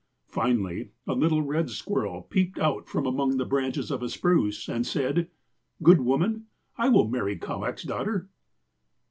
"Finally, a little red squirrel peeped out from among the branches of a spruce, and said :" 'Good woman, I will marry Kowak's daughter.'